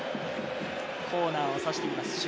コーナーをさしています。